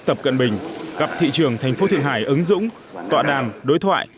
tập cận bình gặp thị trường thành phố thượng hải ứng dũng tọa đàn đối thoại